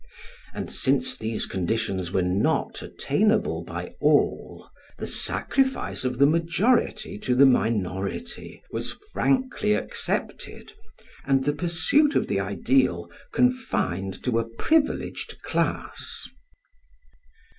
And since these conditions were not attainable by all, the sacrifice of the majority to the minority was frankly accepted and the pursuit of the ideal confined to a privileged class.